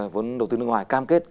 vốn đầu tư nước ngoài cam kết